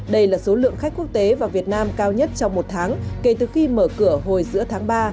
đây là số lượng khách quốc tế vào việt nam cao nhất trong một tháng kể từ khi mở cửa hồi giữa tháng ba